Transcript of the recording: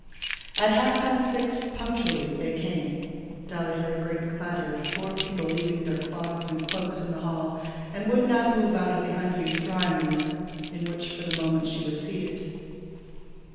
At half past six punctually they came. Dolly heard a great clatter of four people leaving their clogs and cloaks in the hall, and would not move out of the unused drawing room, in which for the moment she was seated.